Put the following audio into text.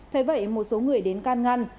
thế vậy một số người đến can ngăn